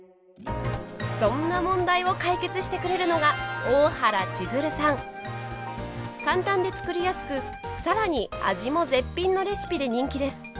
そんな問題を解決してくれるのが簡単で作りやすくさらに味も絶品のレシピで人気です。